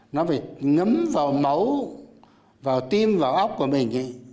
nó phải ngấm vào máu vào tim vào ốc của mình